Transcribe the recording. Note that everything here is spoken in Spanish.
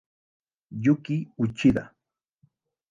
Yūki Uchida